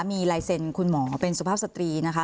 มีลายเซ็นต์คุณหมอเป็นสุภาพสตรีนะคะ